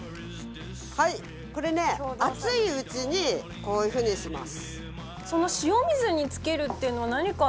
はいこれね熱いうちにこういうふうにします。